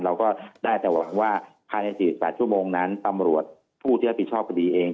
เราก็ได้แต่หวังว่าภายใน๔๘ชั่วโมงนั้นตำรวจผู้ที่รับผิดชอบคดีเอง